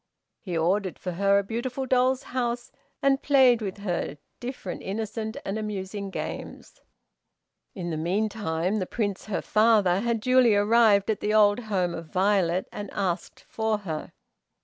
He ordered for her a beautiful doll's house, and played with her different innocent and amusing games. In the meantime, the Prince, her father, had duly arrived at the old home of Violet and asked for her.